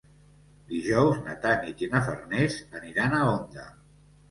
Dijous na Tanit i na Farners aniran a Onda.